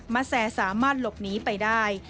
แซสามารถหลบหนีไปได้